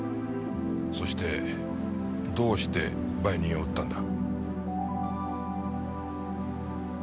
そしてどうして売人を撃ったんだ。